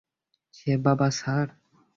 সে বোবা, স্যার।